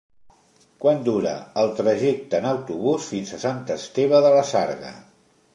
Quant dura el trajecte en autobús fins a Sant Esteve de la Sarga?